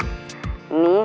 ini si kiki udah nungguin